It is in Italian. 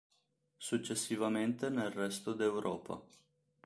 Successivamente nel resto d'Europa.